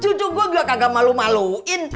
cucu gue juga kagak malu maluin